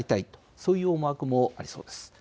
そういう思惑もありそうです。